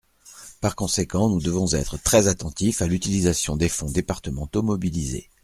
Par conséquent, nous devons être très attentifs à l’utilisation des fonds départementaux mobilisés.